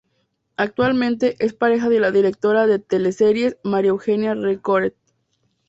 Actualmente, es pareja de la directora de teleseries María Eugenia Rencoret.